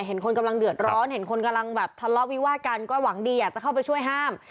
เห็นคนกำลังเดือดร้อนเห็นคนกำลังแบบทะเลาะวิวาดกันก็หวังดีอยากจะเข้าไปช่วยห้าม